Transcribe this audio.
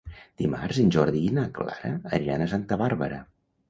Dimarts en Jordi i na Clara aniran a Santa Bàrbara.